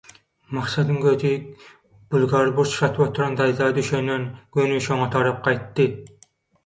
Maksadyň gözi bulgar burç satyp oturan daýza düşenden göni şoňa tarap gaýtdy.